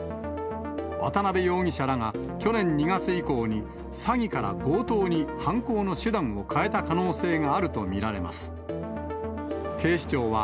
渡辺容疑者らが去年２月以降に、詐欺から強盗に犯行の手段を変えた可能性があると見られます。